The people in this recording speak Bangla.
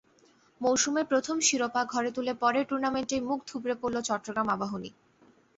মৌসুমের প্রথম শিরোপা ঘরে তুলে পরের টুর্নামেন্টেই মুখ থুবড়ে পড়ল চট্টগ্রাম আবাহনী।